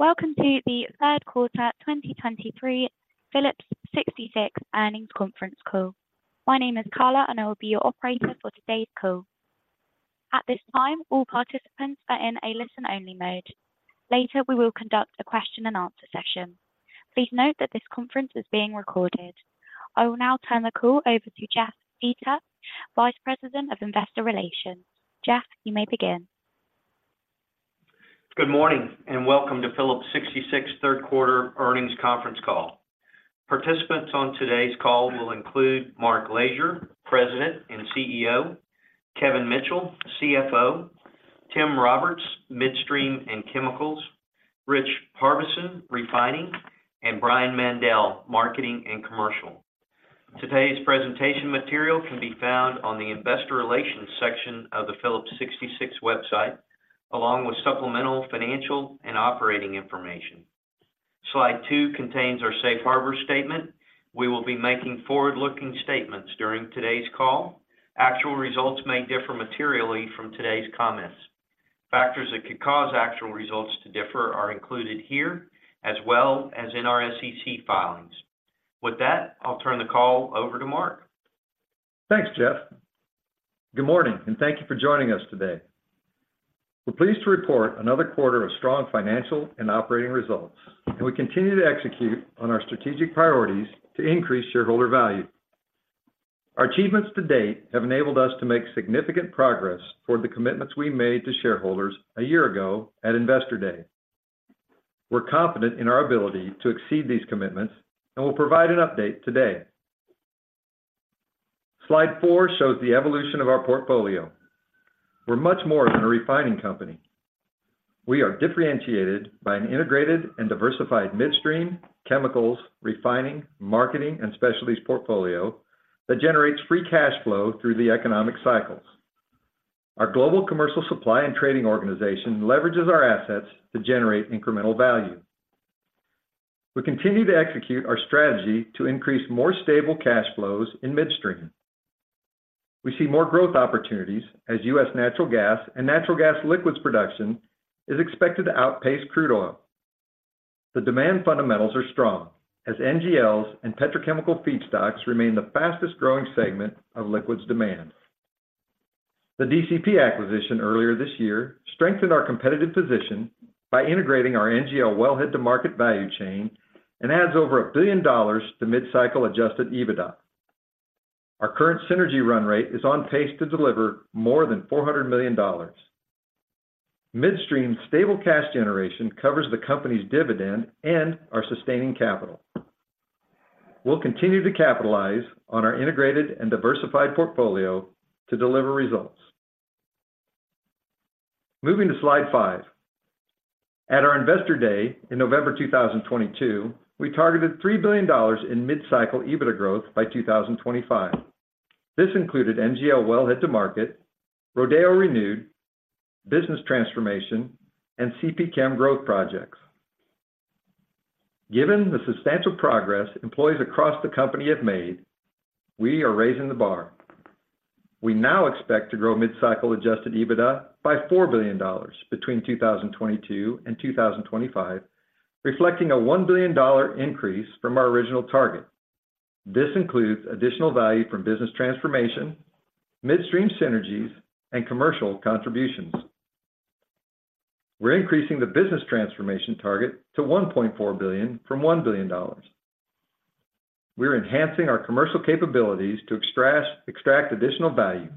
Welcome to the Third Quarter 2023 Phillips 66 Earnings Conference Call. My name is Carla, and I will be your operator for today's call. At this time, all participants are in a listen-only mode. Later, we will conduct a question-and-answer session. Please note that this conference is being recorded. I will now turn the call over to Jeff Dietert, Vice President of Investor Relations. Jeff, you may begin. Good morning, and welcome to Phillips 66 Third Quarter Earnings Conference Call. Participants on today's call will include Mark Lashier, President and CEO; Kevin Mitchell, CFO; Tim Roberts, Midstream and Chemicals; Rich Harbison, Refining; and Brian Mandell, Marketing and Commercial. Today's presentation material can be found on the investor relations section of the Phillips 66 website, along with supplemental, financial, and operating information. Slide two contains our safe harbor statement. We will be making forward-looking statements during today's call. Actual results may differ materially from today's comments. Factors that could cause actual results to differ are included here, as well as in our SEC filings. With that, I'll turn the call over to Mark. Thanks, Jeff. Good morning, and thank you for joining us today. We're pleased to report another quarter of strong financial and operating results, and we continue to execute on our strategic priorities to increase shareholder value. Our achievements to date have enabled us to make significant progress for the commitments we made to shareholders a year ago at Investor Day. We're confident in our ability to exceed these commitments and will provide an update today. Slide 4 shows the evolution of our portfolio. We're much more than a refining company. We are differentiated by an integrated and diversified midstream, chemicals, refining, marketing, and specialties portfolio that generates free cash flow through the economic cycles. Our global commercial supply and trading organization leverages our assets to generate incremental value. We continue to execute our strategy to increase more stable cash flows in midstream. We see more growth opportunities as U.S. natural gas and natural gas liquids production is expected to outpace crude oil. The demand fundamentals are strong as NGLs and petrochemical feedstocks remain the fastest-growing segment of liquids demand. The DCP acquisition earlier this year strengthened our competitive position by integrating our NGL wellhead-to-market value chain and adds over $1 billion to mid-cycle adjusted EBITDA. Our current synergy run rate is on pace to deliver more than $400 million. Midstream's stable cash generation covers the company's dividend and our sustaining capital. We'll continue to capitalize on our integrated and diversified portfolio to deliver results. Moving to slide 5. At our Investor Day in November 2022, we targeted $3 billion in mid-cycle EBITDA growth by 2025. This included NGL wellhead to market, Rodeo Renewed, business transformation, and CPChem growth projects. Given the substantial progress employees across the company have made, we are raising the bar. We now expect to grow mid-cycle Adjusted EBITDA by $4 billion between 2022 and 2025, reflecting a $1 billion increase from our original target. This includes additional value from business transformation, midstream synergies, and commercial contributions. We're increasing the business transformation target to $1.4 billion from $1 billion. We're enhancing our commercial capabilities to extract additional value,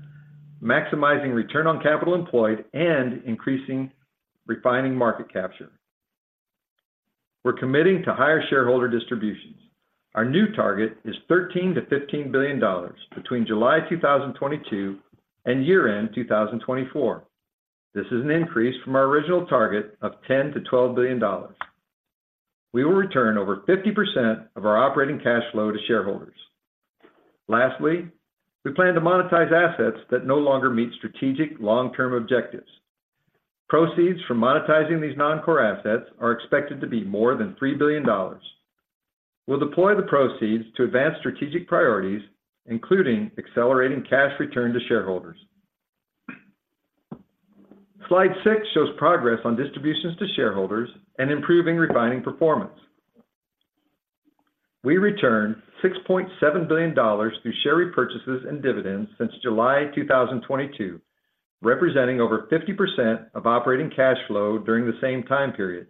maximizing return on capital employed, and increasing refining market capture. We're committing to higher shareholder distributions. Our new target is $13 billion-$15 billion between July 2022 and year-end 2024. This is an increase from our original target of $10 billion-$12 billion. We will return over 50% of our operating cash flow to shareholders. Lastly, we plan to monetize assets that no longer meet strategic long-term objectives. Proceeds from monetizing these non-core assets are expected to be more than $3 billion. We'll deploy the proceeds to advance strategic priorities, including accelerating cash return to shareholders. Slide 6 shows progress on distributions to shareholders and improving refining performance. We returned $6.7 billion through share repurchases and dividends since July 2022, representing over 50% of operating cash flow during the same time period.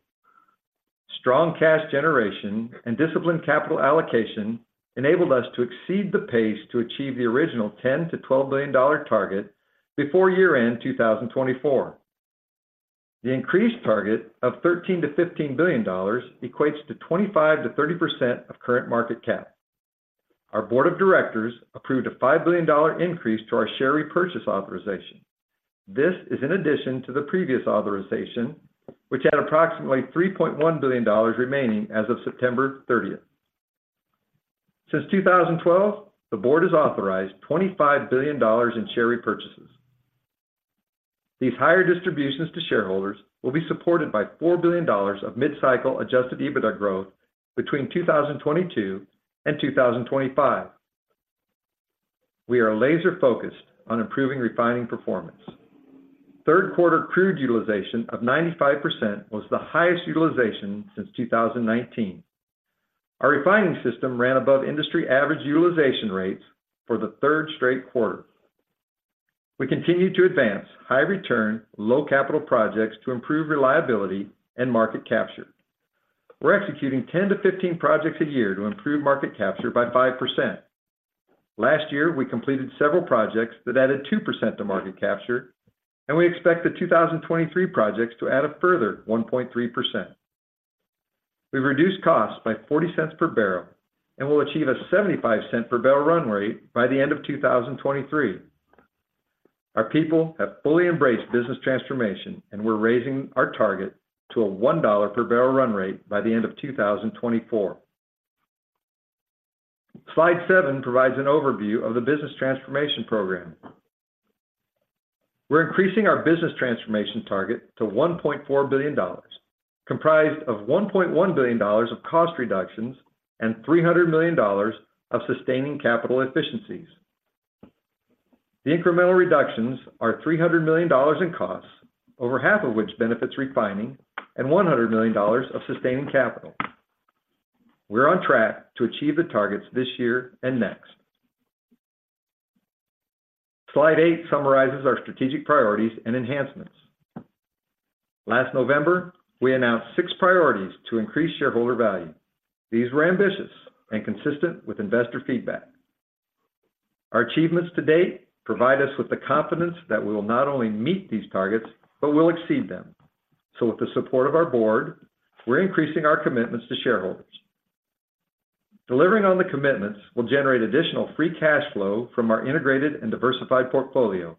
Strong cash generation and disciplined capital allocation enabled us to exceed the pace to achieve the original $10 billion-$12 billion target before year-end 2024. The increased target of $13 billion-$15 billion equates to 25%-30% of current market cap. Our board of directors approved a $5 billion increase to our share repurchase authorization. This is in addition to the previous authorization, which had approximately $3.1 billion remaining as of September 30th. Since 2012, the board has authorized $25 billion in share repurchases. These higher distributions to shareholders will be supported by $4 billion of mid-cycle Adjusted EBITDA growth between 2022 and 2025. We are laser-focused on improving refining performance. Third quarter crude utilization of 95% was the highest utilization since 2019. Our refining system ran above industry average utilization rates for the third straight quarter. We continue to advance high return, low capital projects to improve reliability and market capture. We're executing 10-15 projects a year to improve market capture by 5%. Last year, we completed several projects that added 2% to market capture, and we expect the 2023 projects to add a further 1.3%. We've reduced costs by $0.40 per barrel, and we'll achieve a $0.75 per barrel run rate by the end of 2023. Our people have fully embraced business transformation, and we're raising our target to a $1 per barrel run rate by the end of 2024. Slide 7 provides an overview of the business transformation program. We're increasing our business transformation target to $1.4 billion, comprised of $1.1 billion of cost reductions and $300 million of sustaining capital efficiencies. The incremental reductions are $300 million in costs, over half of which benefits refining, and $100 million of sustaining capital. We're on track to achieve the targets this year and next. Slide 8 summarizes our strategic priorities and enhancements. Last November, we announced 6 priorities to increase shareholder value. These were ambitious and consistent with investor feedback. Our achievements to date provide us with the confidence that we will not only meet these targets, but we'll exceed them. So with the support of our board, we're increasing our commitments to shareholders. Delivering on the commitments will generate additional free cash flow from our integrated and diversified portfolio,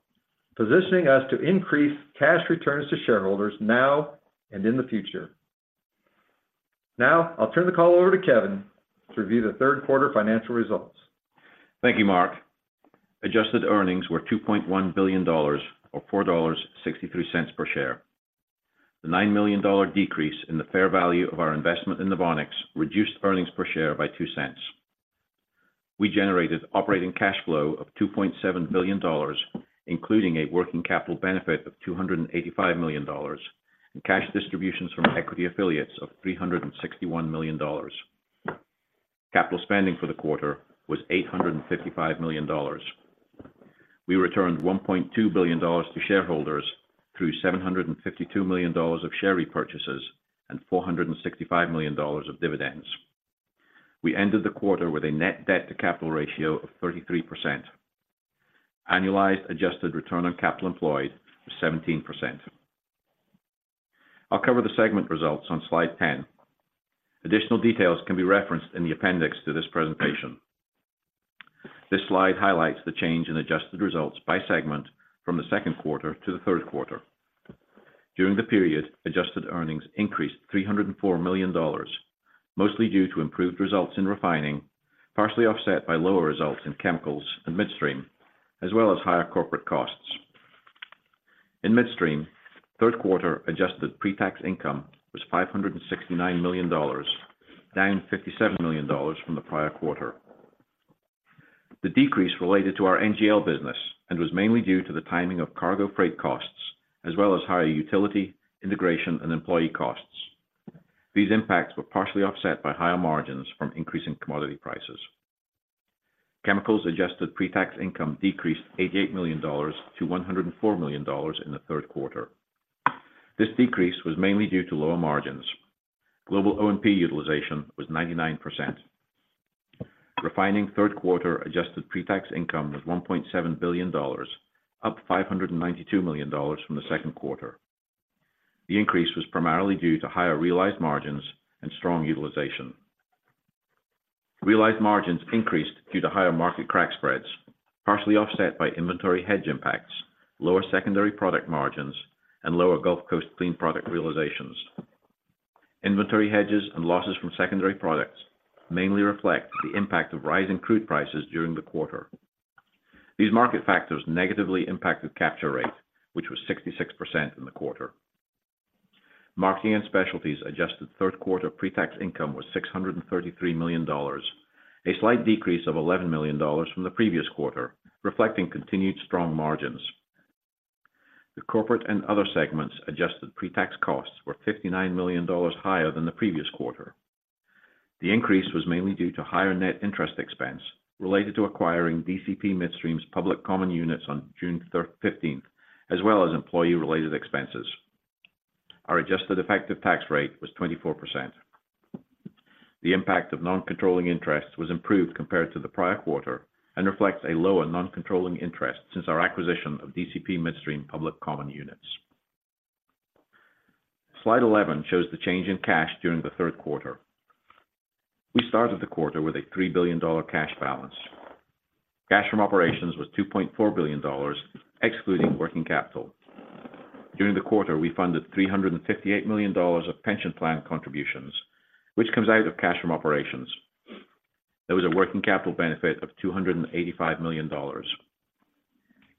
positioning us to increase cash returns to shareholders now and in the future. Now, I'll turn the call over to Kevin to review the Third Quarter Financial Results. Thank you, Mark. Adjusted earnings were $2.1 billion, or $4.63 per share. The $9 million decrease in the fair value of our investment in Novonix reduced earnings per share by $0.02. We generated operating cash flow of $2.7 billion, including a working capital benefit of $285 million, and cash distributions from equity affiliates of $361 million. Capital spending for the quarter was $855 million. We returned $1.2 billion to shareholders through $752 million of share repurchases and $465 million of dividends. We ended the quarter with a net debt to capital ratio of 33%. Annualized adjusted return on capital employed was 17%. I'll cover the segment results on slide 10. Additional details can be referenced in the appendix to this presentation. This slide highlights the change in adjusted results by segment from the second quarter to the third quarter. During the period, adjusted earnings increased $304 million, mostly due to improved results in Refining, partially offset by lower results in Chemicals and Midstream, as well as higher corporate costs. In Midstream, third quarter adjusted pre-tax income was $569 million, down $57 million from the prior quarter. The decrease related to our NGL business and was mainly due to the timing of cargo freight costs, as well as higher utility, integration, and employee costs. These impacts were partially offset by higher margins from increasing commodity prices. Chemicals adjusted pre-tax income decreased $88 million-$104 million in the third quarter. This decrease was mainly due to lower margins. Global O&P utilization was 99%. Refining third quarter adjusted pre-tax income was $1.7 billion, up $592 million from the second quarter. The increase was primarily due to higher realized margins and strong utilization. Realized margins increased due to higher market crack spreads, partially offset by inventory hedge impacts, lower secondary product margins, and lower Gulf Coast clean product realizations. Inventory hedges and losses from secondary products mainly reflect the impact of rising crude prices during the quarter. These market factors negatively impacted capture rate, which was 66% in the quarter. Marketing and Specialties adjusted third quarter pre-tax income was $633 million, a slight decrease of $11 million from the previous quarter, reflecting continued strong margins. The corporate and other segments adjusted pre-tax costs were $59 million higher than the previous quarter. The increase was mainly due to higher net interest expense related to acquiring DCP Midstream's public common units on June 15, as well as employee-related expenses. Our adjusted effective tax rate was 24%. The impact of non-controlling interest was improved compared to the prior quarter and reflects a lower non-controlling interest since our acquisition of DCP Midstream public common units. Slide 11 shows the change in cash during the third quarter. We started the quarter with a $3 billion cash balance. Cash from operations was $2.4 billion, excluding working capital. During the quarter, we funded $358 million of pension plan contributions, which comes out of cash from operations. There was a working capital benefit of $285 million.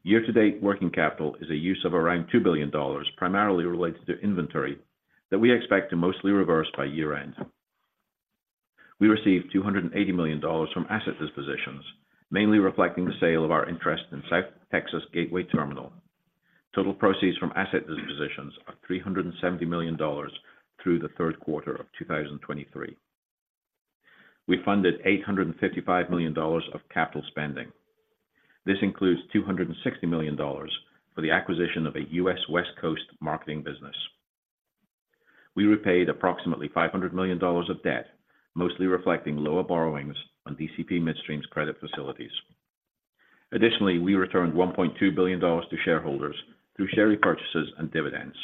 Year-to-date working capital is a use of around $2 billion, primarily related to inventory that we expect to mostly reverse by year-end. We received $280 million from asset dispositions, mainly reflecting the sale of our interest in South Texas Gateway Terminal. Total proceeds from asset dispositions are $370 million through the third quarter of 2023. We funded $855 million of capital spending. This includes $260 million for the acquisition of a U.S. West Coast marketing business. We repaid approximately $500 million of debt, mostly reflecting lower borrowings on DCP Midstream's credit facilities. Additionally, we returned $1.2 billion to shareholders through share repurchases and dividends.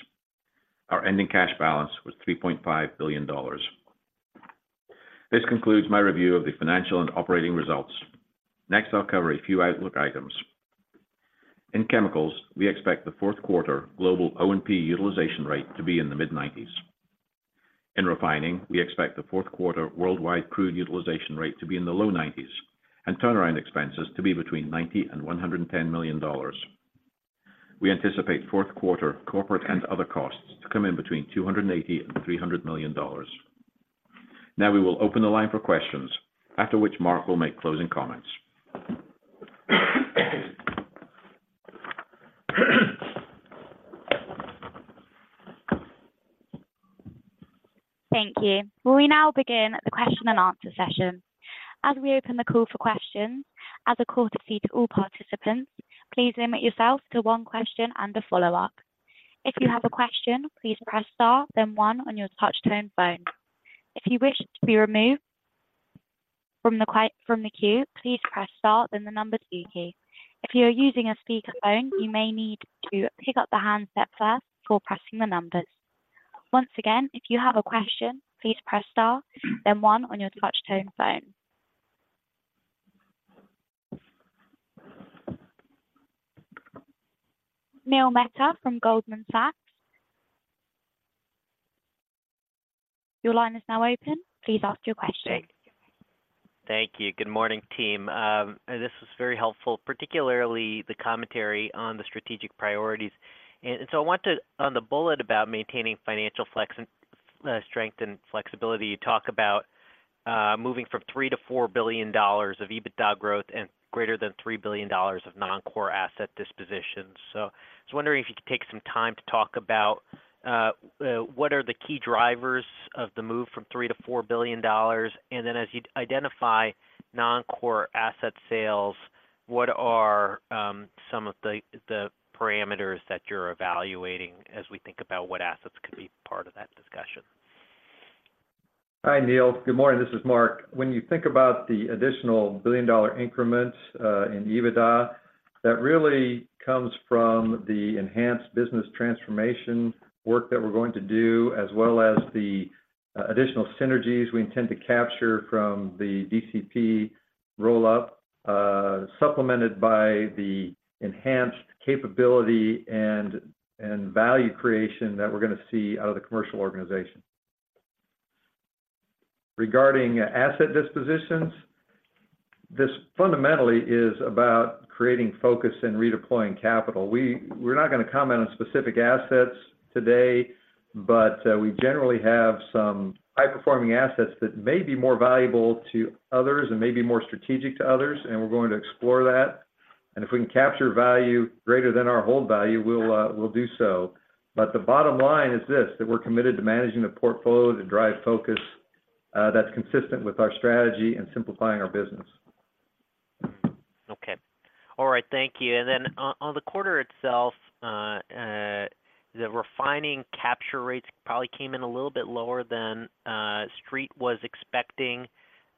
Our ending cash balance was $3.5 billion. This concludes my review of the financial and operating results. Next, I'll cover a few outlook items. In chemicals, we expect the fourth quarter Global O&P utilization rate to be in the mid-90s. In refining, we expect the fourth quarter worldwide crude utilization rate to be in the low 90s and turnaround expenses to be between $90 million and $110 million. We anticipate fourth quarter corporate and other costs to come in between $280 million and $300 million. Now we will open the line for questions, after which Mark will make closing comments. Thank you. We now begin the question and answer session. As we open the call for questions, as a courtesy to all participants, please limit yourself to one question and a follow-up. If you have a question, please press Star, then one on your touchtone phone. If you wish to be removed from the queue, please press Star, then the number two key. If you are using a speakerphone, you may need to pick up the handset first before pressing the numbers. Once again, if you have a question, please press Star, then one on your touchtone phone. Neil Mehta from Goldman Sachs. Your line is now open. Please ask your question. Thank you. Good morning, team. This was very helpful, particularly the commentary on the strategic priorities. And so I want to, on the bullet about maintaining financial flex, strength and flexibility, you talk about moving from $3-$4 billion of EBITDA growth and greater than $3 billion of non-core asset dispositions. So I was wondering if you could take some time to talk about what are the key drivers of the move from $3-$4 billion? And then as you identify non-core asset sales, what are some of the parameters that you're evaluating as we think about what assets could be part of that discussion? Hi, Neil. Good morning, this is Mark. When you think about the additional billion-dollar increments in EBITDA, that really comes from the enhanced business transformation work that we're going to do, as well as the additional synergies we intend to capture from the DCP roll-up, supplemented by the enhanced capability and value creation that we're gonna see out of the commercial organization. Regarding asset dispositions, this fundamentally is about creating focus and redeploying capital. We're not gonna comment on specific assets today, but we generally have some high-performing assets that may be more valuable to others and may be more strategic to others, and we're going to explore that. And if we can capture value greater than our hold value, we'll do so. But the bottom line is this, that we're committed to managing the portfolio to drive focus, that's consistent with our strategy and simplifying our business. Okay. All right, thank you. And then on the quarter itself, the refining capture rates probably came in a little bit lower than Street was expecting.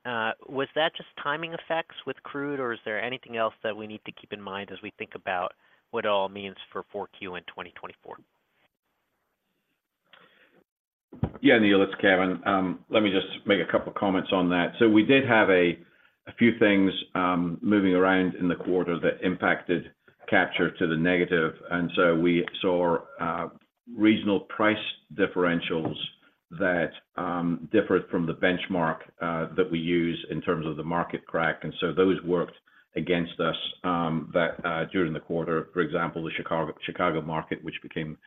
Was that just timing effects with crude, or is there anything else that we need to keep in mind as we think about what it all means for Q4 in 2024? Yeah, Neil, it's Kevin. Let me just make a couple of comments on that. So we did have a few things moving around in the quarter that impacted capture to the negative, and so we saw regional price differentials that differed from the benchmark that we use in terms of the market crack. And so those worked against us that during the quarter, for example, the Chicago market, which became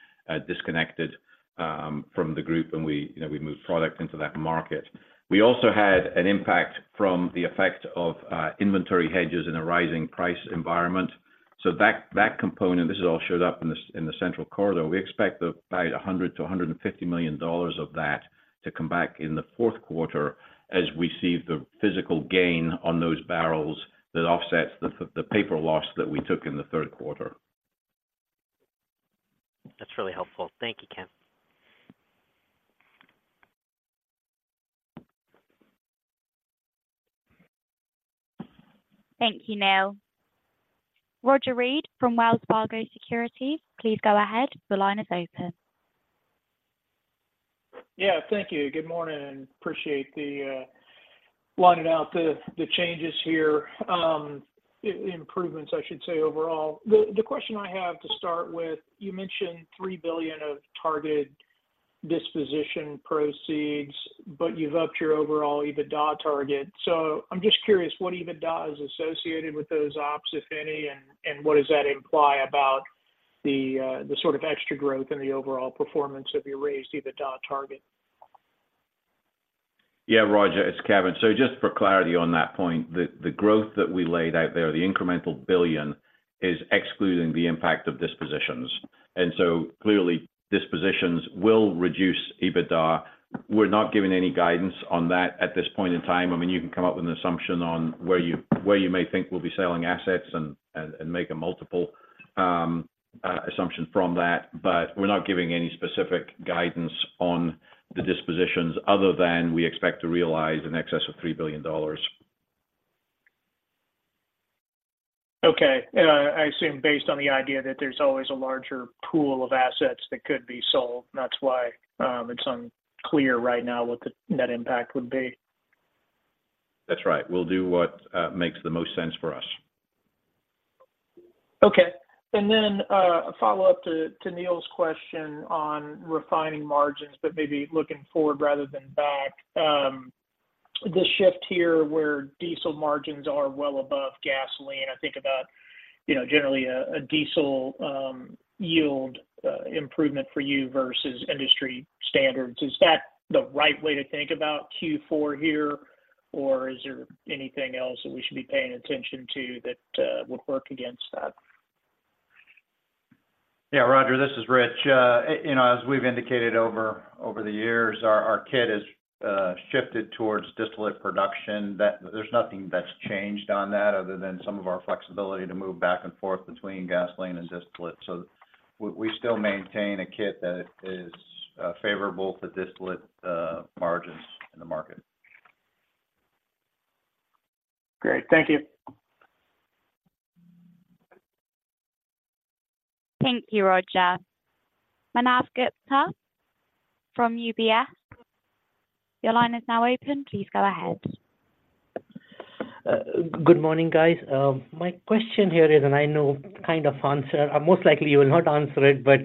disconnected from the group, and we, you know, we moved product into that market. We also had an impact from the effect of inventory hedges in a rising price environment. So that component, this is all showed up in the central corridor. We expect about $100 million-$150 million of that to come back in the fourth quarter as we see the physical gain on those barrels that offsets the paper loss that we took in the third quarter. That's really helpful. Thank you, Kevin. Thank you, Neil. Roger Read from Wells Fargo Securities, please go ahead. The line is open. Yeah, thank you. Good morning, and appreciate the lining out the, the changes here, improvements, I should say, overall. The, the question I have to start with, you mentioned $3 billion of targeted disposition proceeds, but you've upped your overall EBITDA target. So I'm just curious, what EBITDA is associated with those ops, if any, and, and what does that imply about the, the sort of extra growth in the overall performance of your raised EBITDA target? Yeah, Roger, it's Kevin. So just for clarity on that point, the growth that we laid out there, the incremental $1 billion, is excluding the impact of dispositions. And so clearly, dispositions will reduce EBITDA. We're not giving any guidance on that at this point in time. I mean, you can come up with an assumption on where you may think we'll be selling assets and make a multiple assumption from that. But we're not giving any specific guidance on the dispositions other than we expect to realize in excess of $3 billion. Okay. And I assume based on the idea that there's always a larger pool of assets that could be sold, that's why it's unclear right now what the net impact would be. That's right. We'll do what makes the most sense for us. Okay. And then a follow-up to Neil's question on refining margins, but maybe looking forward rather than back. The shift here where diesel margins are well above gasoline, I think about, you know, generally a diesel yield improvement for you versus industry standards. Is that the right way to think about Q4 here, or is there anything else that we should be paying attention to that would work against that? Yeah, Roger, this is Rich. You know, as we've indicated over the years, our kit has shifted towards distillate production. That there's nothing that's changed on that, other than some of our flexibility to move back and forth between gasoline and distillate. So we still maintain a kit that is favorable to distillate margins in the market. Great. Thank you. Thank you, Roger. Manav Gupta from UBS, your line is now open. Please go ahead. Good morning, guys. My question here is, and I know kind of answer, or most likely you will not answer it, but,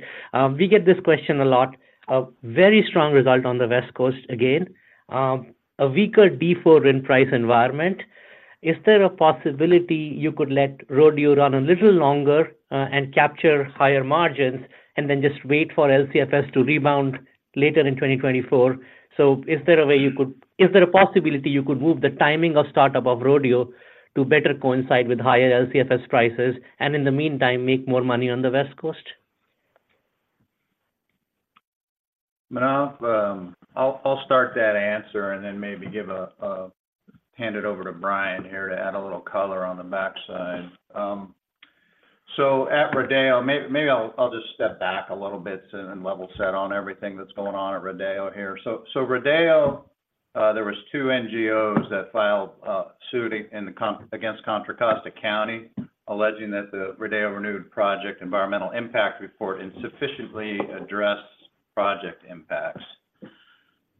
we get this question a lot. A very strong result on the West Coast again, a weaker D4 RIN price environment. Is there a possibility you could let Rodeo run a little longer, and capture higher margins and then just wait for LCFS to rebound later in 2024? So is there a way you could, is there a possibility you could move the timing of startup of Rodeo to better coincide with higher LCFS prices, and in the meantime, make more money on the West Coast? Manav, I'll start that answer and then maybe hand it over to Brian here to add a little color on the backside. At Rodeo, Maybe I'll just step back a little bit and level set on everything that's going on at Rodeo here. Rodeo, there were two NGOs that filed suit against Contra Costa County, alleging that the Rodeo Renewed project environmental impact report insufficiently addressed project impacts.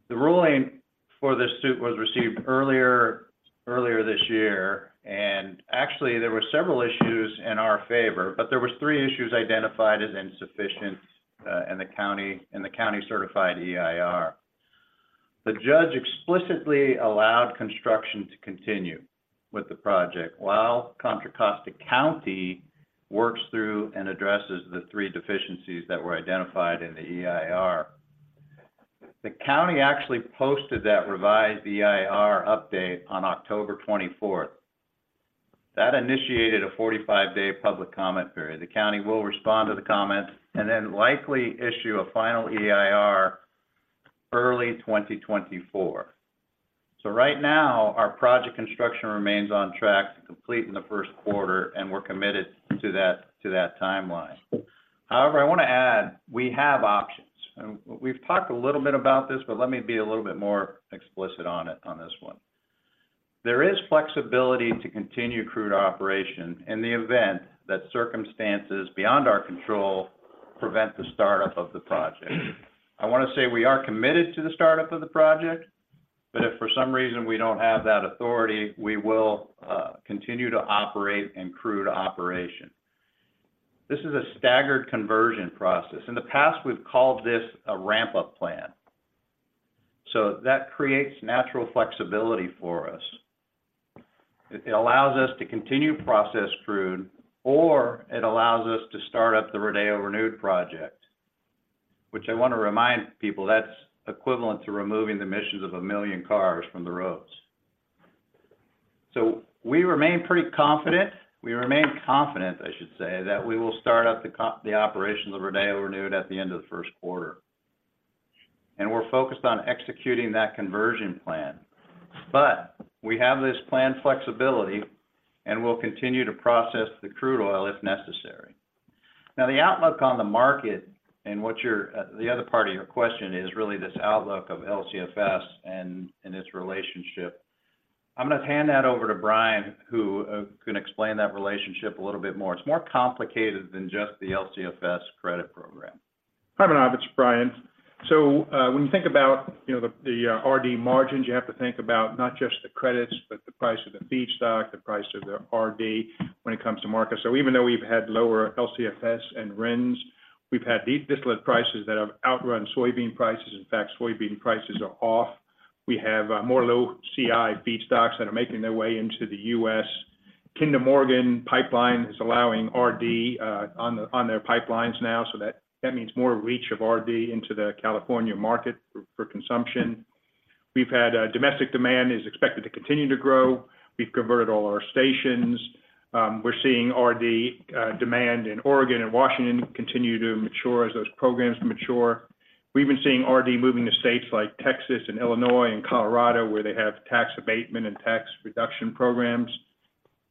The ruling for this suit was received earlier this year, and actually, there were several issues in our favor, but there were three issues identified as insufficient in the county-certified EIR. The judge explicitly allowed construction to continue with the project, while Contra Costa County works through and addresses the three deficiencies that were identified in the EIR. The county actually posted that revised EIR update on October 24th. That initiated a 45-day public comment period. The county will respond to the comment and then likely issue a final EIR early 2024. So right now, our project construction remains on track to complete in the first quarter, and we're committed to that, to that timeline. However, I want to add, we have options. And we've talked a little bit about this, but let me be a little bit more explicit on it, on this one. There is flexibility to continue crude operation in the event that circumstances beyond our control prevent the startup of the project. I want to say we are committed to the startup of the project, but if for some reason we don't have that authority, we will continue to operate in crude operation. This is a staggered conversion process. In the past, we've called this a ramp-up plan. So that creates natural flexibility for us. It allows us to continue process crude, or it allows us to start up the Rodeo Renewed project, which I want to remind people, that's equivalent to removing the emissions of 1 million cars from the roads. So we remain pretty confident, we remain confident, I should say, that we will start up the operations of Rodeo Renewed at the end of the first quarter, and we're focused on executing that conversion plan. But we have this planned flexibility, and we'll continue to process the crude oil if necessary. Now, the outlook on the market and what your, the other part of your question is, really this outlook of LCFS and its relationship. I'm going to hand that over to Brian, who can explain that relationship a little bit more. It's more complicated than just the LCFS credit program. Hi, Manav, it's Brian. So, when you think about, you know, the, the RD margins, you have to think about not just the credits, but the price of the feedstock, the price of the RD when it comes to market. So even though we've had lower LCFS and RINs, we've had distillate prices that have outrun soybean prices. In fact, soybean prices are off, we have more low CI feedstocks that are making their way into the U.S. Kinder Morgan pipeline is allowing RD on their pipelines now, so that means more reach of RD into the California market for consumption. Domestic demand is expected to continue to grow. We've converted all our stations. We're seeing RD demand in Oregon and Washington continue to mature as those programs mature. We've been seeing RD moving to states like Texas and Illinois and Colorado, where they have tax abatement and tax reduction programs.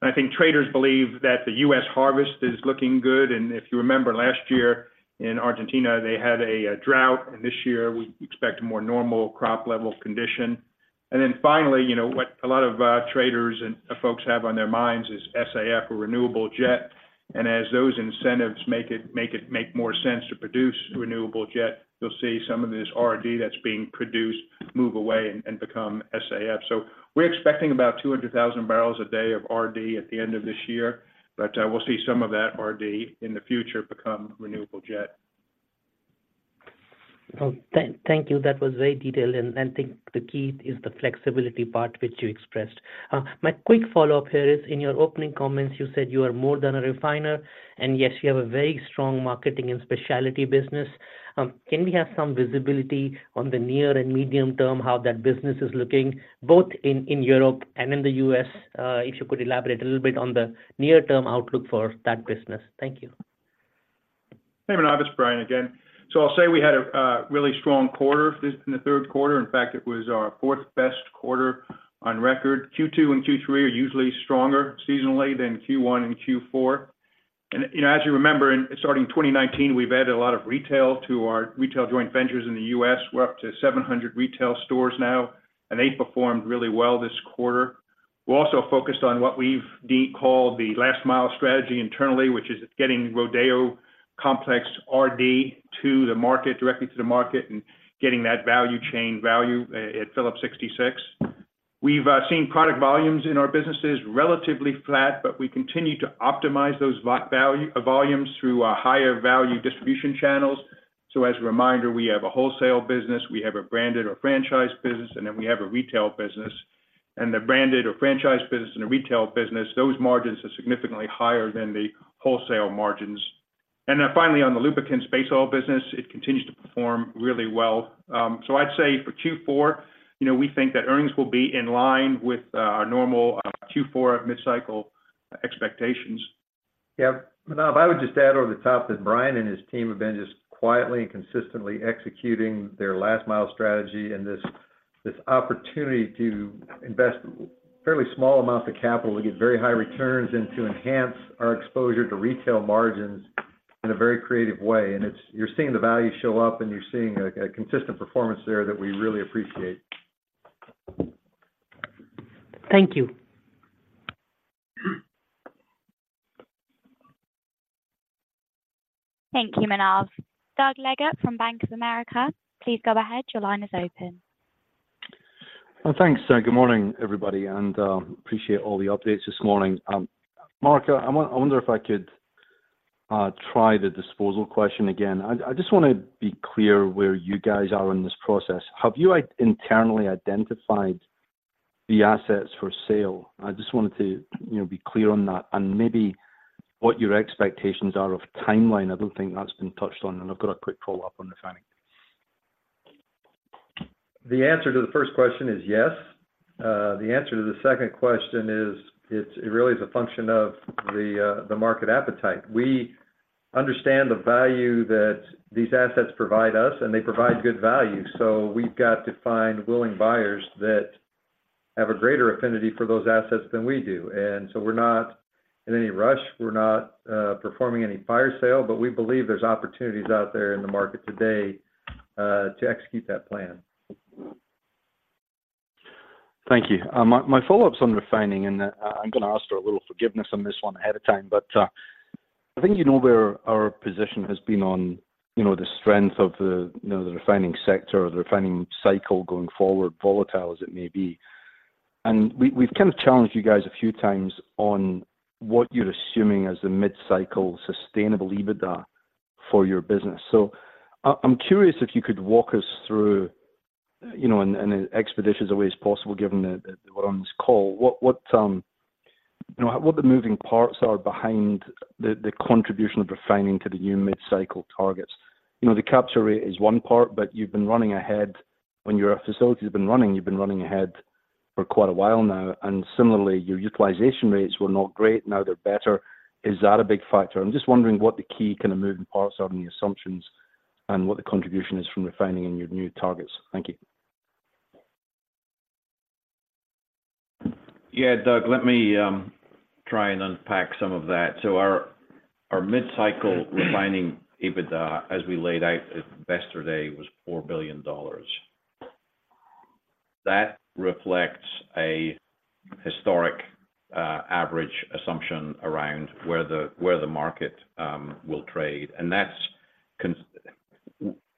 I think traders believe that the U.S. harvest is looking good, and if you remember last year in Argentina, they had a drought, and this year we expect a more normal crop level condition. Finally, you know, what a lot of traders and folks have on their minds is SAF or renewable jet. As those incentives make it make more sense to produce renewable jet, you'll see some of this RD that's being produced move away and become SAF. We're expecting about 200,000 barrels a day of RD at the end of this year, but we'll see some of that RD in the future become renewable jet. Well, thank you. That was very detailed, and I think the key is the flexibility part, which you expressed. My quick follow-up here is, in your opening comments, you said you are more than a refiner, and yes, you have a very strong marketing and specialty business. Can we have some visibility on the near and medium term, how that business is looking, both in Europe and in the U.S.? If you could elaborate a little bit on the near-term outlook for that business. Thank you. Hey, Manav, it's Brian again. I'll say we had a really strong quarter this, in the third quarter. In fact, it was our fourth-best quarter on record. Q2 and Q3 are usually stronger seasonally than Q1 and Q4. You know, as you remember, in starting 2019, we've added a lot of retail to our retail joint ventures in the U.S. We're up to 700 retail stores now, and they performed really well this quarter. We're also focused on what we've called the last mile strategy internally, which is getting Rodeo complex RD to the market, directly to the market, and getting that value chain value at Phillips 66. We've seen product volumes in our businesses relatively flat, but we continue to optimize those value volumes through our higher value distribution channels. So as a reminder, we have a wholesale business, we have a branded or franchise business, and then we have a retail business. And the branded or franchise business and the retail business, those margins are significantly higher than the wholesale margins. And then finally, on the lubricants base oil business, it continues to perform really well. So I'd say for Q4, you know, we think that earnings will be in line with our normal Q4 mid-cycle expectations. Yeah. Manav, I would just add over the top that Brian and his team have been just quietly and consistently executing their last mile strategy and this, this opportunity to invest fairly small amounts of capital to get very high returns and to enhance our exposure to retail margins in a very creative way. And it's. You're seeing the value show up, and you're seeing a, a consistent performance there that we really appreciate. Thank you. Thank you, Manav. Doug Leggate from Bank of America, please go ahead. Your line is open. Thanks. Good morning, everybody, and appreciate all the updates this morning. Mark, I wonder if I could try the disposal question again. I just wanna be clear where you guys are in this process. Have you internally identified the assets for sale? I just wanted to, you know, be clear on that and maybe what your expectations are of timeline. I don't think that's been touched on, and I've got a quick follow-up on refining. The answer to the first question is yes. The answer to the second question is, it really is a function of the market appetite. We understand the value that these assets provide us, and they provide good value, so we've got to find willing buyers that have a greater affinity for those assets than we do. And so we're not in any rush, we're not performing any fire sale, but we believe there's opportunities out there in the market today to execute that plan. Thank you. My follow-up's on refining, and, I'm gonna ask for a little forgiveness on this one ahead of time, but, I think you know where our position has been on, you know, the strength of the, you know, the refining sector or the refining cycle going forward, volatile as it may be. And we, we've kind of challenged you guys a few times on what you're assuming as the mid-cycle sustainable EBITDA for your business. So I'm curious if you could walk us through, you know, in an expeditious a way as possible, given that we're on this call, what, you know, what the moving parts are behind the contribution of refining to the new mid-cycle targets. You know, the capture rate is one part, but you've been running ahead. When your facilities have been running, you've been running ahead for quite a while now, and similarly, your utilization rates were not great, now they're better. Is that a big factor? I'm just wondering what the key kind of moving parts are in the assumptions and what the contribution is from refining in your new targets. Thank you. Yeah, Doug, let me try and unpack some of that. So our mid-cycle refining EBITDA, as we laid out at Investor Day, was $4 billion. That reflects a historic average assumption around where the market will trade. And that's.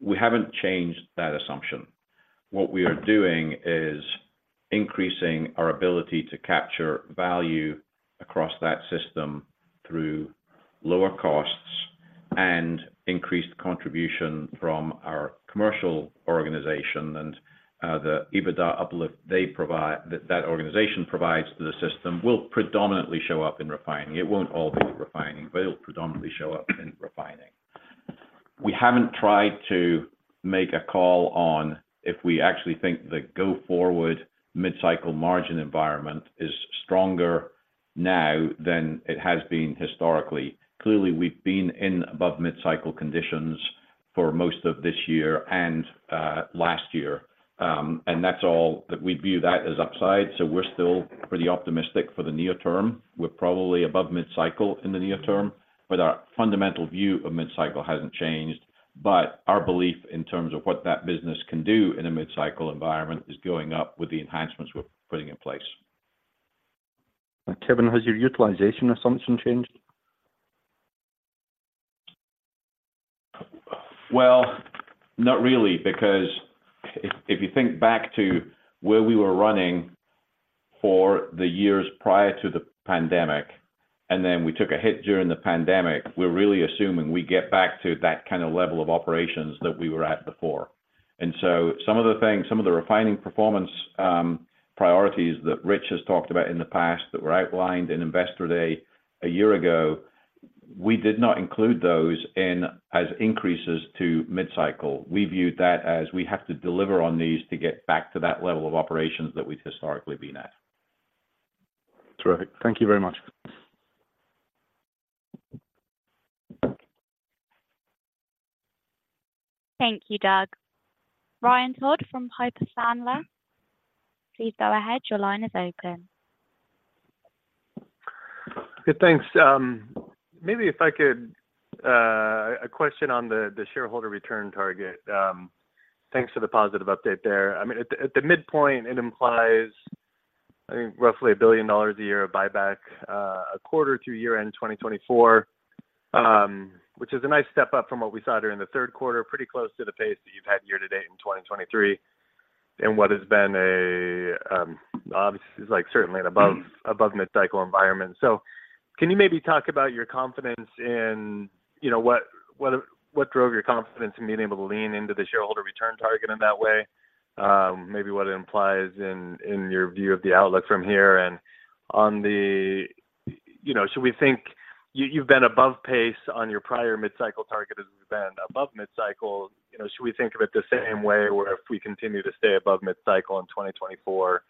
We haven't changed that assumption. What we are doing is increasing our ability to capture value across that system through lower costs and increased contribution from our commercial organization. And, the EBITDA uplift they provide, that organization provides to the system, will predominantly show up in refining. It won't all be refining, but it'll predominantly show up in refining. We haven't tried to make a call on if we actually think the go-forward mid-cycle margin environment is stronger now than it has been historically. Clearly, we've been in above mid-cycle conditions for most of this year and, last year. And that's all, we view that as upside, so we're still pretty optimistic for the near term. We're probably above mid-cycle in the near term, but our fundamental view of mid-cycle hasn't changed. But our belief in terms of what that business can do in a mid-cycle environment is going up with the enhancements we're putting in place. Kevin, has your utilization assumption changed? Well, not really, because if you think back to where we were running for the years prior to the pandemic, and then we took a hit during the pandemic, we're really assuming we get back to that kind of level of operations that we were at before. And so some of the things, some of the refining performance priorities that Rich has talked about in the past, that were outlined in Investor Day a year ago, we did not include those in as increases to Mid-Cycle. We viewed that as we have to deliver on these to get back to that level of operations that we've historically been at. Terrific. Thank you very much. Thank you, Doug. Ryan Todd from Piper Sandler, please go ahead. Your line is open. Good, thanks. Maybe if I could, a question on the shareholder return target. Thanks for the positive update there. I mean, at the midpoint, it implies, I think, roughly $1 billion a year of buyback, a quarter through year-end 2024, which is a nice step up from what we saw during the third quarter. Pretty close to the pace that you've had year to date in 2023, and what has been a, obviously, is like, certainly an above mid-cycle environment. So can you maybe talk about your confidence in... You know, what, what, what drove your confidence in being able to lean into the shareholder return target in that way? Maybe what it implies in your view of the outlook from here, and on the, You know, should we think you've been above pace on your prior mid-cycle target, as we've been above mid-cycle. You know, should we think of it the same way, where if we continue to stay above mid-cycle in 2024,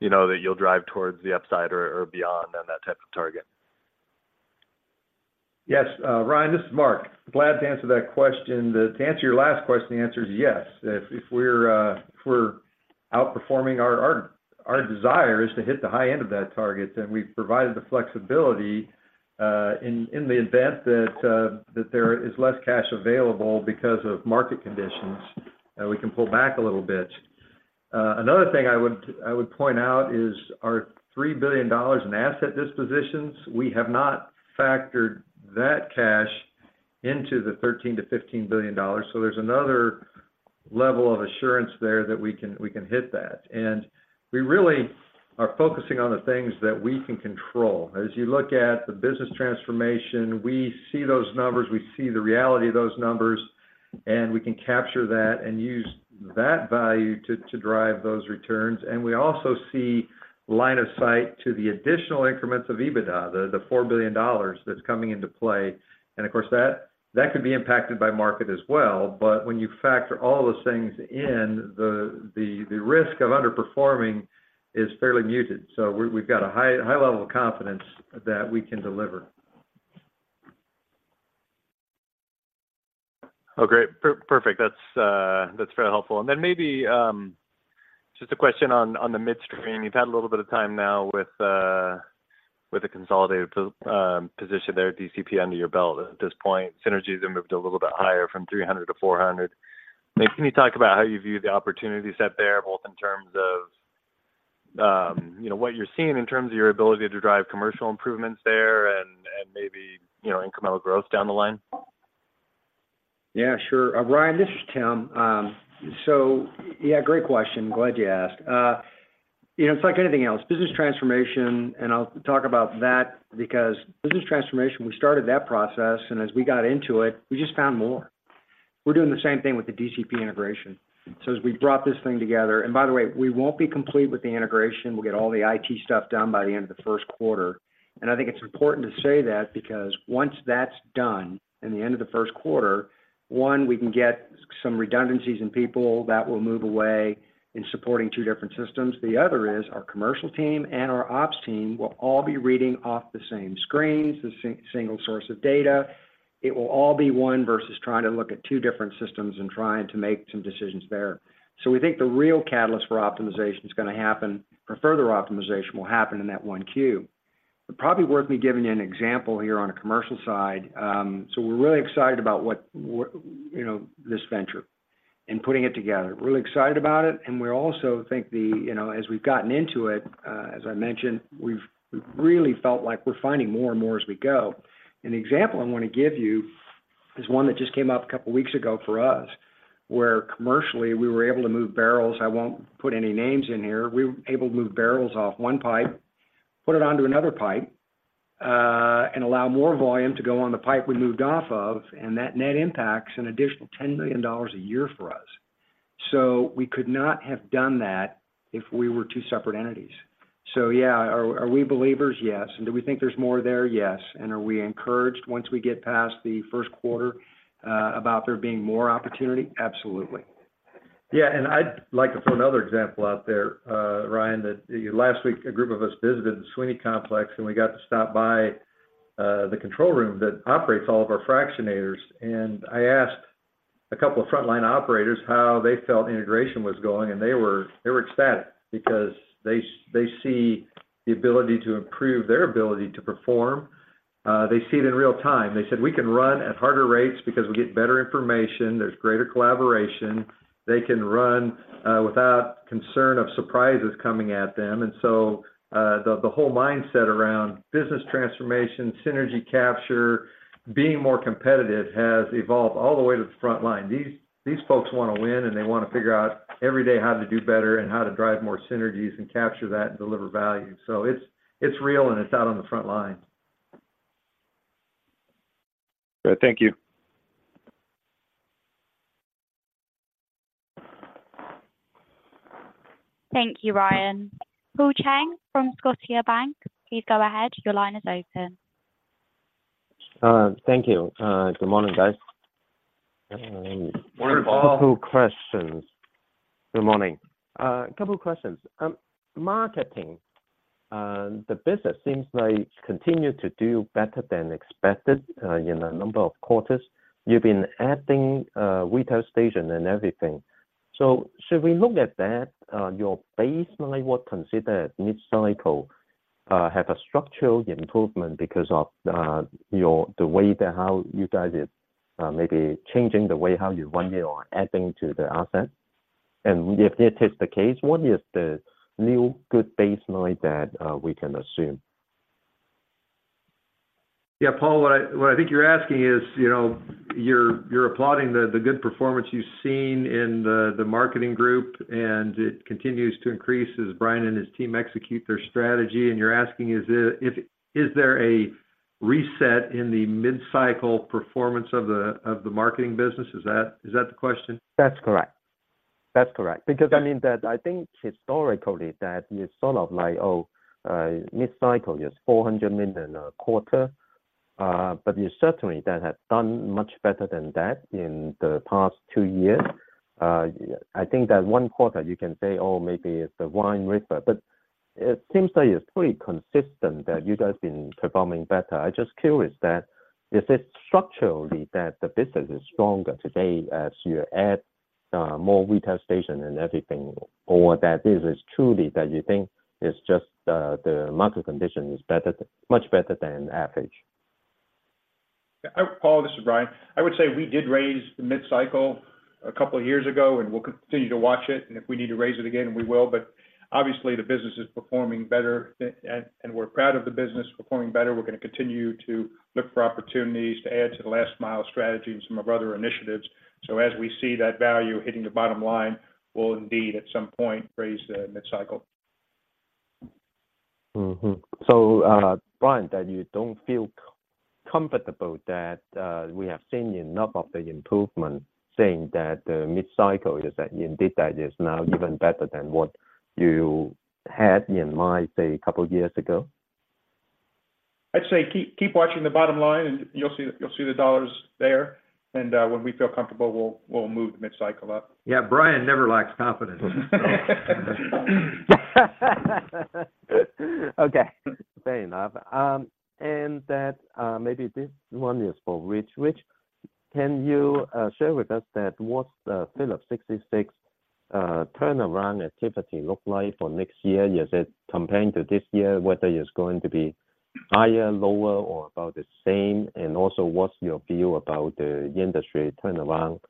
you know, that you'll drive towards the upside or beyond, on that type of target? Yes, Ryan, this is Mark. Glad to answer that question. To answer your last question, the answer is yes. If we're outperforming, our desire is to hit the high end of that target, then we've provided the flexibility, in the event that there is less cash available because of market conditions, we can pull back a little bit. Another thing I would point out is our $3 billion in asset dispositions; we have not factored that cash into the $13 billion-$15 billion. So there's another level of assurance there that we can hit that. And we really are focusing on the things that we can control. As you look at the business transformation, we see those numbers, we see the reality of those numbers, and we can capture that and use that value to drive those returns. We also see line of sight to the additional increments of EBITDA, the $4 billion that's coming into play. Of course, that could be impacted by market as well, but when you factor all those things in, the risk of underperforming is fairly muted. We've got a high level of confidence that we can deliver. Oh, great. Perfect. That's, that's very helpful. And then maybe, just a question on, on the midstream. You've had a little bit of time now with, with the consolidated position there at DCP under your belt at this point. Synergies have moved a little bit higher from 300 to 400. Maybe can you talk about how you view the opportunity set there, both in terms of, you know, what you're seeing in terms of your ability to drive commercial improvements there and, and maybe, you know, incremental growth down the line? Yeah, sure. Ryan, this is Tim. So yeah, great question. Glad you asked. You know, it's like anything else, business transformation, and I'll talk about that because business transformation, we started that process, and as we got into it, we just found more. We're doing the same thing with the DCP integration. So as we brought this thing together, By the way, we won't be complete with the integration. We'll get all the IT stuff done by the end of the first quarter. I think it's important to say that, because once that's done in the end of the first quarter, one, we can get some redundancies in people that will move away in supporting two different systems. The other is, our commercial team and our ops team will all be reading off the same screens, the single source of data. It will all be one, versus trying to look at two different systems and trying to make some decisions there. So we think the real catalyst for optimization is gonna happen, or further optimization, will happen in that one queue. But probably worth me giving you an example here on the commercial side. So we're really excited about what, you know, this venture and putting it together. Really excited about it, and we also think the, you know, as we've gotten into it, as I mentioned, we've really felt like we're finding more and more as we go. An example I want to give you is one that just came up a couple weeks ago for us, where commercially, we were able to move barrels. I won't put any names in here. We were able to move barrels off one pipe, put it onto another pipe, and allow more volume to go on the pipe we moved off of, and that net impacts an additional $10 million a year for us. So we could not have done that if we were two separate entities. So yeah, are, are we believers? Yes. And do we think there's more there? Yes. And are we encouraged once we get past the first quarter, about there being more opportunity? Absolutely. Yeah, and I'd like to throw another example out there, Ryan, that last week, a group of us visited the Sweeny Complex, and we got to stop by the control room that operates all of our fractionators. And I asked a couple of frontline operators how they felt integration was going, and they were ecstatic because they see the ability to improve their ability to perform. They see it in real time. They said, "We can run at harder rates because we get better information. There's greater collaboration." They can run without concern of surprises coming at them. And so, the whole mindset around business transformation, synergy capture, being more competitive has evolved all the way to the front line. These folks wanna win, and they wanna figure out every day how to do better and how to drive more synergies and capture that and deliver value. So it's real, and it's out on the front line. Great. Thank you. Thank you, Ryan. Paul Cheng from Scotiabank, please go ahead. Your line is open. Thank you. Good morning, guys. Morning, Paul. A couple questions. Good morning. A couple of questions. Marketing, the business seems like continue to do better than expected in a number of quarters. You've been adding retail station and everything. So should we look at that, your baseline, what considered mid-cycle, have a structural improvement because of your, the way that how you guys are maybe changing the way how you run it or adding to the asset? And if that is the case, what is the new good baseline that we can assume? Yeah, Paul, what I think you're asking is, you know, you're applauding the good performance you've seen in the marketing group, and it continues to increase as Brian and his team execute their strategy, and you're asking, is it, if, is there a reset in the mid-cycle performance of the marketing business? Is that the question? That's correct. That's correct. Because, I mean, that I think historically that you're sort of like, oh, mid-cycle, you're $400 million a quarter, but you certainly that have done much better than that in the past two years. I think that one quarter you can say, "Oh, maybe it's a wind ripper," but it seems like it's pretty consistent that you guys been performing better. I just curious that, is it structurally that the business is stronger today as you add more retail station and everything, or that business truly that you think it's just the market condition is better, much better than average? Yeah, Paul, this is Brian. I would say we did raise the mid-cycle a couple of years ago, and we'll continue to watch it, and if we need to raise it again, we will. But obviously, the business is performing better, and we're proud of the business performing better. We're gonna continue to look for opportunities to add to the last mile strategy and some of our other initiatives. So as we see that value hitting the bottom line, we'll indeed, at some point, raise the mid-cycle. Mm-hmm. So, Brian, that you don't feel comfortable that, we have seen enough of the improvement, saying that the Mid-Cycle is that indeed, that is now even better than what you had in mind, say, a couple of years ago? I'd say, keep watching the bottom line, and you'll see the dollars there, and when we feel comfortable, we'll move the mid-cycle up. Yeah, Brian never lacks confidence. Okay, fair enough. And that, maybe this one is for Rich. Rich, can you share with us that what's the Phillips 66 turnaround activity look like for next year compared to this year? Whether it's going to be higher, lower, or about the same, and also, what's your view about the industry turnaround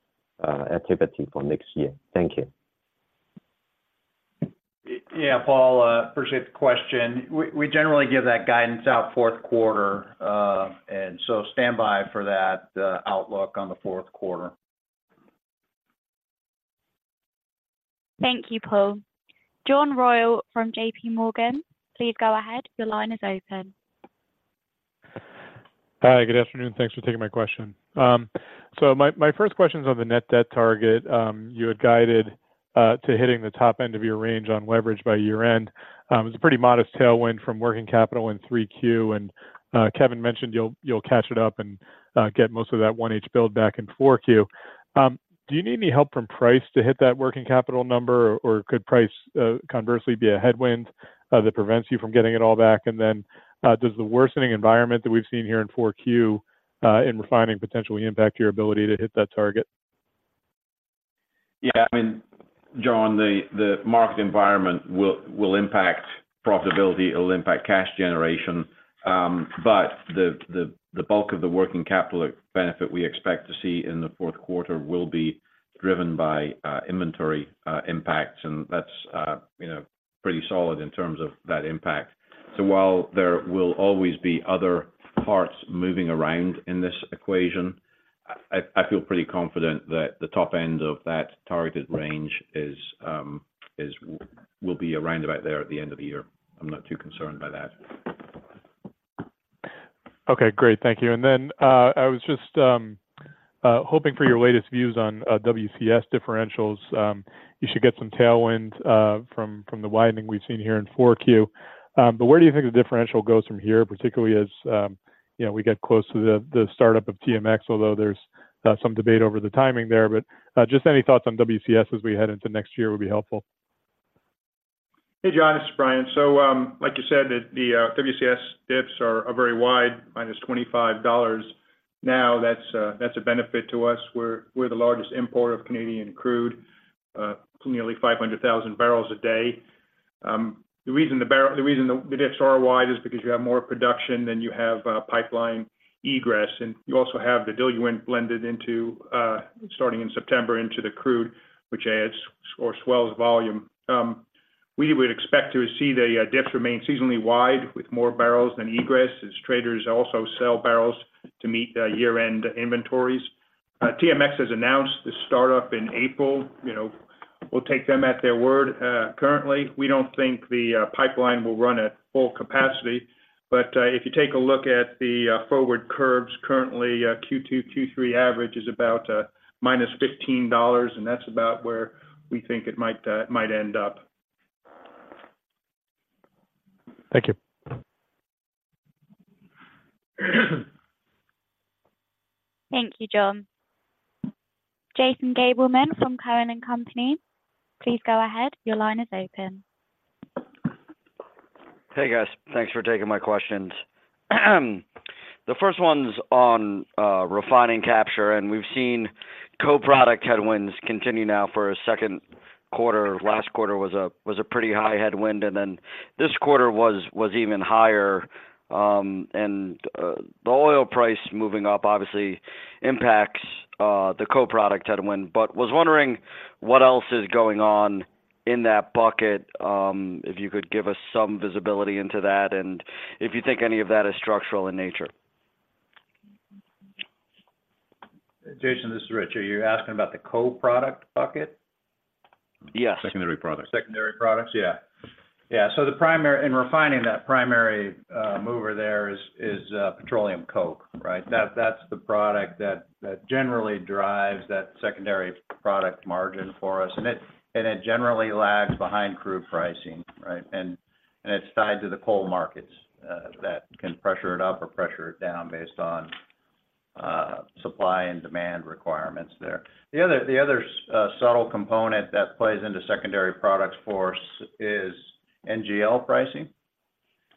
activity for next year? Thank you. Yeah, Paul, appreciate the question. We generally give that guidance out fourth quarter, and so stand by for that outlook on the fourth quarter. Thank you, Paul. John Royall from J.P. Morgan, please go ahead. Your line is open. Hi, good afternoon. Thanks for taking my question. So my first question is on the net debt target. You had guided to hitting the top end of your range on leverage by year-end. It's a pretty modest tailwind from working capital in 3Q, and Kevin mentioned you'll catch it up and get most of that one each build back in 4Q. Do you need any help from price to hit that working capital number, or could price conversely be a headwind that prevents you from getting it all back? And then, does the worsening environment that we've seen here in 4Q in refining potentially impact your ability to hit that target? Yeah, I mean, John, the market environment will impact profitability, it'll impact cash generation, but the bulk of the working capital benefit we expect to see in the fourth quarter will be driven by inventory impacts, and that's, you know, pretty solid in terms of that impact. So while there will always be other parts moving around in this equation, I feel pretty confident that the top end of that targeted range will be around about there at the end of the year. I'm not too concerned by that. Okay, great. Thank you. And then, I was just hoping for your latest views on WCS differentials. You should get some tailwinds from the widening we've seen here in 4Q. But where do you think the differential goes from here, particularly as you know, we get close to the startup of TMX, although there's some debate over the timing there. But just any thoughts on WCS as we head into next year would be helpful. Hey, John, this is Brian. Like you said, the WCS dips are very wide, minus $25. Now, that's a benefit to us. We're the largest importer of Canadian crude, nearly 500,000 barrels a day. The reason the barrel. the reason the dips are wide is because you have more production than you have pipeline egress, and you also have the diluent blended into, starting in September, into the crude, which adds or swells volume. We would expect to see the dips remain seasonally wide, with more barrels than egress, as traders also sell barrels to meet the year-end inventories. TMX has announced the startup in April. You know, we'll take them at their word. Currently, we don't think the pipeline will run at full capacity. But, if you take a look at the forward curves, currently, Q2, Q3 average is about -$15, and that's about where we think it might end up. Thank you. Thank you, John. Jason Gabelman from Cowen and Company, please go ahead. Your line is open. Hey, guys. Thanks for taking my questions. The first one's on refining capture, and we've seen co-product headwinds continue now for a second quarter. Last quarter was a pretty high headwind, and then this quarter was even higher. And the oil price moving up obviously impacts the co-product headwind, but was wondering what else is going on in that bucket, if you could give us some visibility into that, and if you think any of that is structural in nature? Jason, this is Rich. Are you asking about the co-product bucket? Yes. Secondary products. Secondary products? Yeah. Yeah, the primary, in refining, that primary mover there is petroleum coke, right? That's the product that generally drives that secondary product margin for us. It generally lags behind crude pricing, right? It's tied to the coal markets that can pressure it up or pressure it down based on supply and demand requirements there. The other subtle component that plays into secondary products for us is NGL pricing.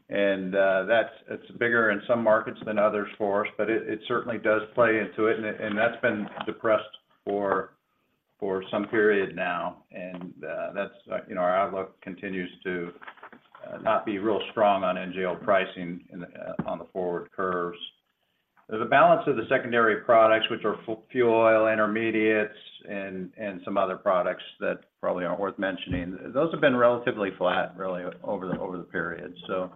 It's bigger in some markets than others for us, but it certainly does play into it, and that's been depressed for some period now. Our outlook continues to not be real strong on NGL pricing on the forward curves. The balance of the secondary products, which are fuel oil, intermediates, and some other products that probably aren't worth mentioning, have been relatively flat really over the period. So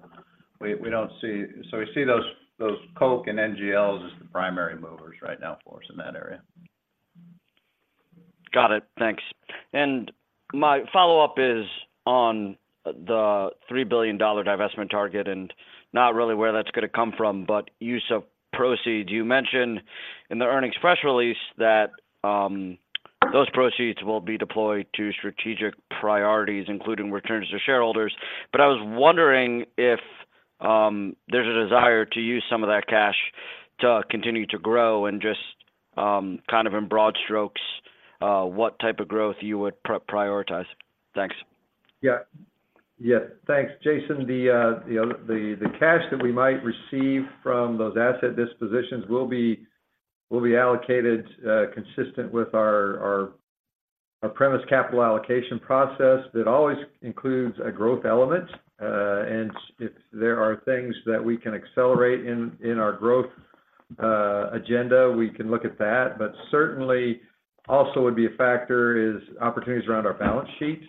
we don't see, so we see those coke and NGLs as the primary movers right now for us in that area. Got it. Thanks. And my follow-up is on the $3 billion divestment target and not really where that's gonna come from, but use of proceeds. You mentioned in the earnings press release that those proceeds will be deployed to strategic priorities, including returns to shareholders. But I was wondering if there's a desire to use some of that cash to continue to grow and just kind of in broad strokes what type of growth you would prioritize? Thanks. Yeah. Yeah. Thanks, Jason. The, you know, the cash that we might receive from those asset dispositions will be allocated consistent with our premise capital allocation process. That always includes a growth element, and if there are things that we can accelerate in our growth agenda, we can look at that. But certainly, also would be a factor is opportunities around our balance sheet,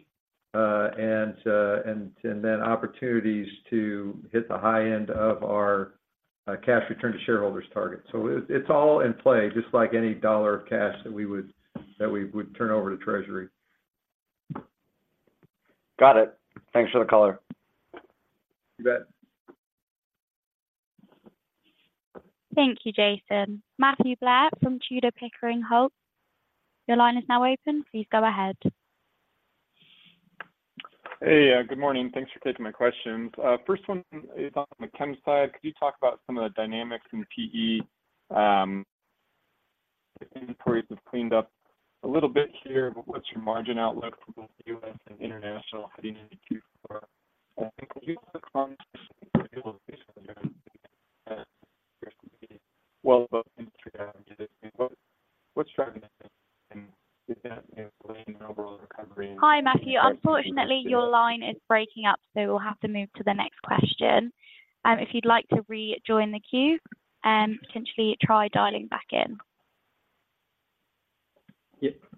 and then opportunities to hit the high end of our cash return to shareholders target. So it's all in play, just like any dollar of cash that we would turn over to Treasury. Got it. Thanks for the color. You bet. Thank you, Jason. Matthew Blair from Tudor, Pickering, Holt & Co., your line is now open. Please go ahead. Hey, good morning. Thanks for taking my questions. First one is on the chem side. Could you talk about some of the dynamics in PE? Inventories have cleaned up a little bit here, but what's your margin outlook for both U.S. and international heading into Q4? I think you look on- well, both industry down. What, what's driving this and the overall recovery? Hi, Matthew. Unfortunately, your line is breaking up, so we'll have to move to the next question. If you'd like to rejoin the queue, potentially try dialing back in.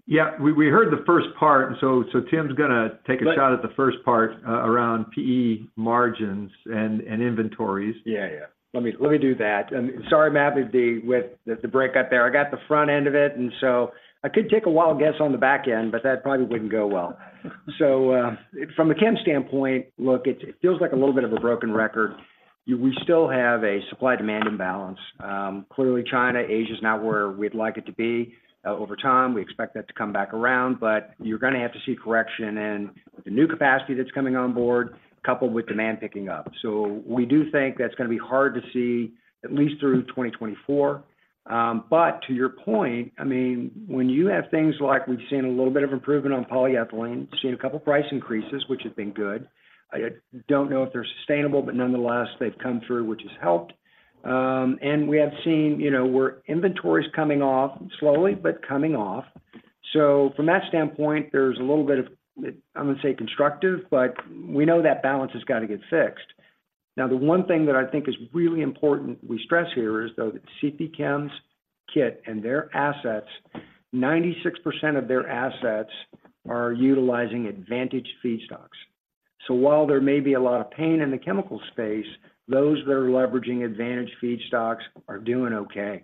Yeah, we heard the first part, and so Tim's gonna take a shot at the first part around PE margins and inventories. Yeah, yeah. Let me do that. Sorry, Matt, with the breakup there. I got the front end of it, and so I could take a wild guess on the back end, but that probably wouldn't go well. So, from a chem standpoint, look, it feels like a little bit of a broken record. We still have a supply-demand imbalance. Clearly, China, Asia is not where we'd like it to be. Over time, we expect that to come back around, but you're gonna have to see correction in the new capacity that's coming on board, coupled with demand picking up. So we do think that's gonna be hard to see, at least through 2024. But to your point, I mean, when you have things like we've seen a little bit of improvement on polyethylene, we've seen a couple of price increases, which has been good. I don't know if they're sustainable, but nonetheless, they've come through, which has helped. And we have seen, you know, where inventory is coming off slowly, but coming off. So from that standpoint, there's a little bit of, I'm gonna say constructive, but we know that balance has got to get fixed. Now, the one thing that I think is really important, we stress here is, though, that CP Chem's kit and their assets, 96% of their assets are utilizing advantage feedstocks. So while there may be a lot of pain in the chemical space, those that are leveraging advantage feedstocks are doing okay.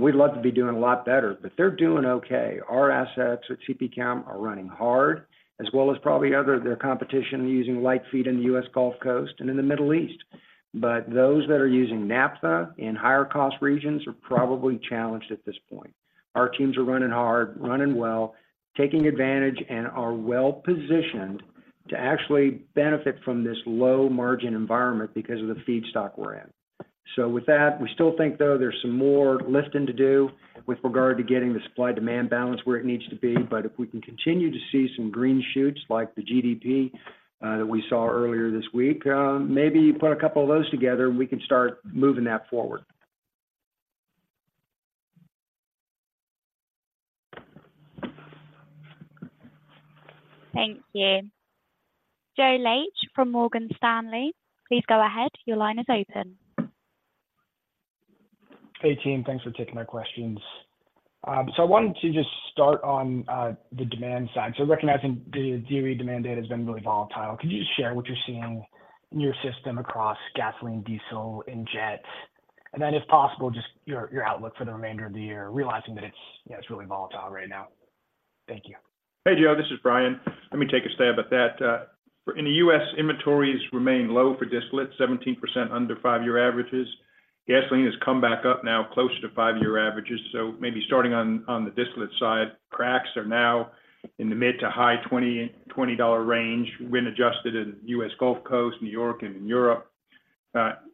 We'd love to be doing a lot better, but they're doing okay. Our assets at CP Chem are running hard, as well as probably their competition, using light feed in the U.S. Gulf Coast and in the Middle East. Those that are using naphtha in higher-cost regions are probably challenged at this point. Our teams are running hard, running well, taking advantage, and are well-positioned to actually benefit from this low-margin environment because of the feedstock we're in. With that, we still think there's some more lifting to do with regard to getting the supply-demand balance where it needs to be. If we can continue to see some green shoots, like the GDP that we saw earlier this week, maybe you put a couple of those together, and we can start moving that forward. Thank you. Joe Laetsch from Morgan Stanley, please go ahead. Your line is open. Hey, team. Thanks for taking my questions. So I wanted to just start on, the demand side. So recognizing the DOE, demand data has been really volatile, could you just share what you're seeing in your system across gasoline, diesel, and jets? And then, if possible, just your, your outlook for the remainder of the year, realizing that it's, you know, it's really volatile right now. Thank you. Hey, Joe, this is Brian. Let me take a stab at that. In the U.S., inventories remain low for distillate, 17% under five-year averages. Gasoline has come back up now, closer to five-year averages, so maybe starting on the distillate side, cracks are now in the mid- to high-20, $20-dollar range when adjusted in U.S. Gulf Coast, New York, and in Europe.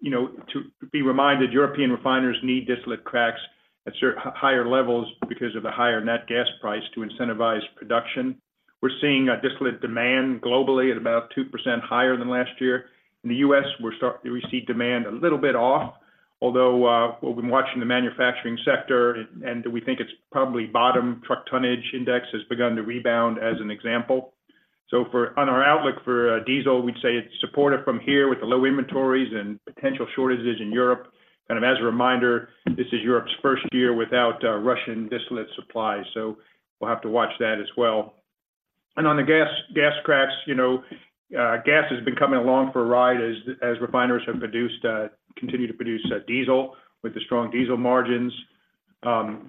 You know, to be reminded, European refiners need distillate cracks at certain higher levels because of the higher natural gas price to incentivize production. We're seeing a distillate demand globally at about 2% higher than last year. In the U.S., we see demand a little bit off, although, we've been watching the manufacturing sector, and we think it's probably bottom. Truck Tonnage Index has begun to rebound as an example. So, for our outlook for diesel, we'd say it's supported from here with the low inventories and potential shortages in Europe. Kind of as a reminder, this is Europe's first year without Russian distillate supply, so we'll have to watch that as well. And on the gas cracks, you know, gas has been coming along for a ride as refiners continue to produce diesel with the strong diesel margins.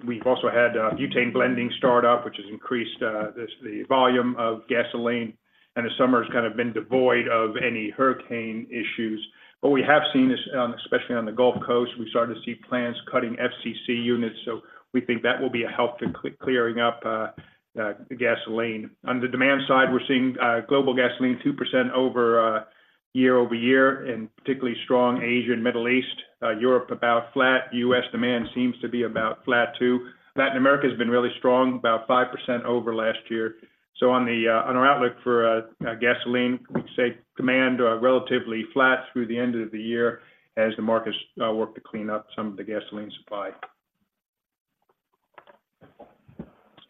We've also had butane blending start up, which has increased the volume of gasoline, and the summer's kind of been devoid of any hurricane issues. But we have seen this, especially on the Gulf Coast, we've started to see plants cutting FCC units, so we think that will be a help to clearing up gasoline. On the demand side, we're seeing global gasoline 2% over year-over-year, and particularly strong Asia, Middle East. Europe about flat. U.S. demand seems to be about flat, too. Latin America has been really strong, about 5% over last year. So on our outlook for gasoline, we'd say demand are relatively flat through the end of the year as the markets work to clean up some of the gasoline supply.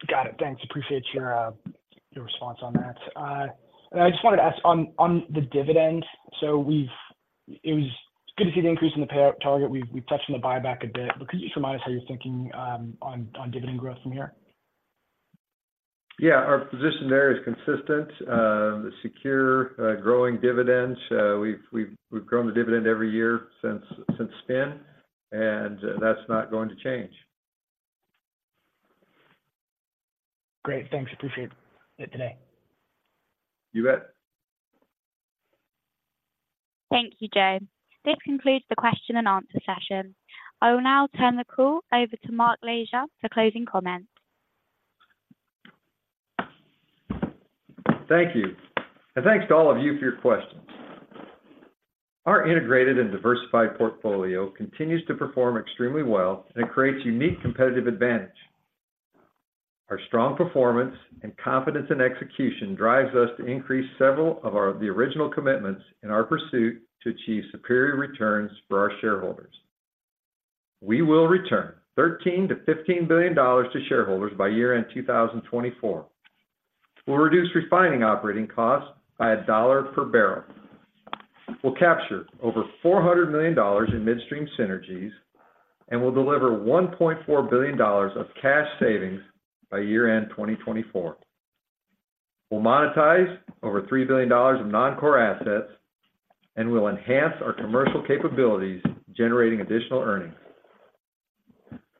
Got it. Thanks. Appreciate your response on that. I just wanted to ask on the dividend. We've-- it was good to see the increase in the payout target. We've touched on the buyback a bit, but could you just remind us how you're thinking on dividend growth from here? Yeah. Our position there is consistent, secure, growing dividends. We've grown the dividend every year since spin, and that's not going to change. Great, thanks. Appreciate it today. You bet. Thank you, Joe. This concludes the question and answer session. I will now turn the call over to Mark Lashier for closing comments. Thank you, and thanks to all of you for your questions. Our integrated and diversified portfolio continues to perform extremely well and creates unique competitive advantage. Our strong performance and confidence in execution drives us to increase several of our original commitments in our pursuit to achieve superior returns for our shareholders. We will return $13 billion-$15 billion to shareholders by year-end 2024. We'll reduce refining operating costs by $1 per barrel. We'll capture over $400 million in midstream synergies, and we'll deliver $1.4 billion of cash savings by year-end 2024. We'll monetize over $3 billion of non-core assets, and we'll enhance our commercial capabilities, generating additional earnings.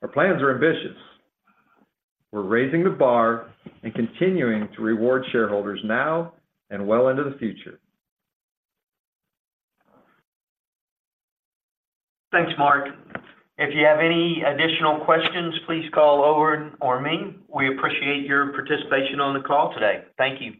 Our plans are ambitious. We're raising the bar and continuing to reward shareholders now and well into the future. Thanks, Mark. If you have any additional questions, please call Owen or me. We appreciate your participation on the call today. Thank you.